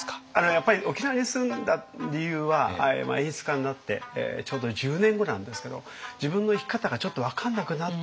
やっぱり沖縄に住んだ理由は演出家になってちょうど１０年後なんですけど自分の生き方がちょっと分かんなくなった。